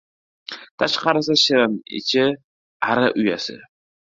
• Tashqarisi ― shirin, ichi ― ari uyasi.